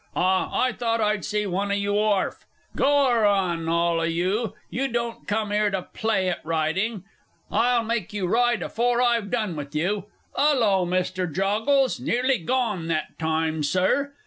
Ah, I thought I'd see one o' you orf! Goa ron, all o' you, you don't come 'ere to play at ridin' I'll make you ride afore I've done with you! 'Ullo, Mr. Joggles, nearly gone that time, Sir!